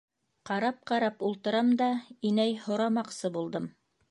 Ҡарап-ҡарап ултырам да, инәй, һорамаҡсы булдым...